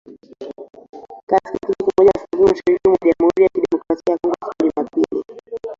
Katika kijiji kimoja kaskazini-mashariki mwa Jamuhuri ya Kidemokrasia ya Kongo siku ya Jumapili